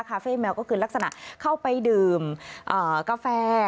เฟ่แมวก็คือลักษณะเข้าไปดื่มกาแฟ